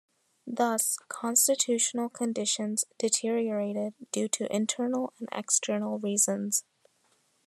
Thus, constitutional conditions deteriorated due to internal and external reasons.